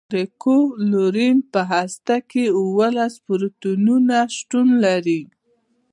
د کلورین په هسته کې اوولس پروتونونه شتون لري.